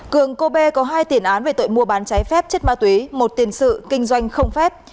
cường cô bê có hai tiền án về tội mua bán trái phép chất ma túy một tiền sự kinh doanh không phép